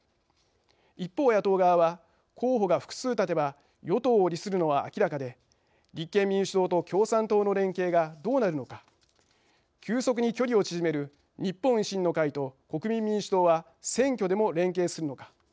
一方、野党側は候補が複数立てば与党を利するのは明らかで立憲民主党と共産党の連携がどうなるのか急速に距離を縮める日本維新の会と国民民主党は選挙でも連携するのか。